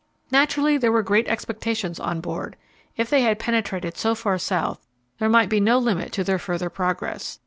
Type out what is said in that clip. Naturally there were great expectations on board. If they had penetrated so far south, there might be no limit to their further progress.